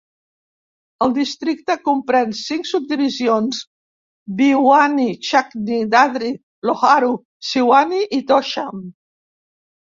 El districte comprèn cinc subdivisions: Bhiwani, Charkhi Dadri, Loharu, Siwani i Tosham.